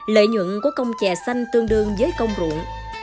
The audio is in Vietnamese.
lợi nhuận của công chè xanh tương đương với công ruộng